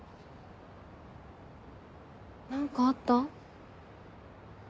何かあった？